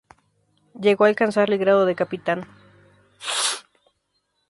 Llegó a alcanzar el grado de capitán.